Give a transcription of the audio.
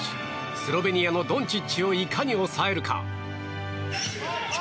スロベニアのドンチッチをいかに抑えるか。